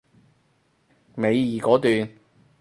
尾二嗰段